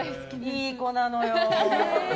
いい子なのよ！